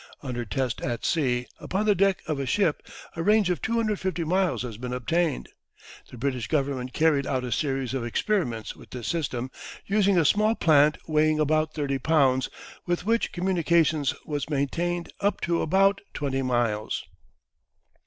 Under test at sea, upon the deck of a ship, a range of 250 miles has been obtained. The British Government carried out a series of experiments with this system, using a small plant weighing about 30 pounds, with which communication was maintained up to about 20 miles.